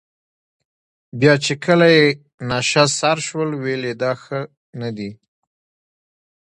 بیا چې کله یې نشه سر شول ویل یې دا ښه نه دي.